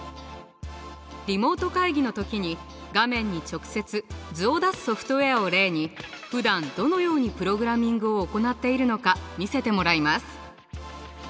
リモート会議の時に画面に直接図を出すソフトウェアを例にふだんどのようにプログラミングを行っているのか見せてもらいます。